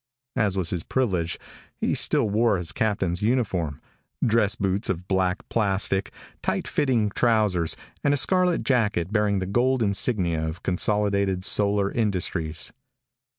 As was his privilege, he still wore his captain's uniform dress boots of black plastic, tight fitting trousers, and a scarlet jacket bearing the gold insignia of Consolidated Solar Industries.